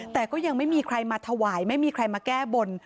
แต่ก็ยังไม่มีใครมาถวายไม่มีใครมาแก้บน